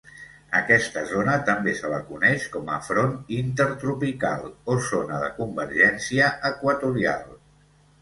Aquesta zona, també se la coneix com a front intertropical o zona de convergència equatorial.